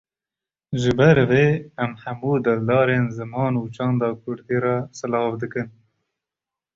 Ji ber vê em hemû dildarên ziman û çanda Kurdî re silav dikin.